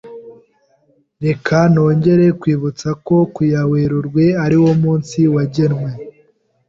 Reka nongere nkwibutse ko ku ya Werurwe ariwo munsi wagenwe.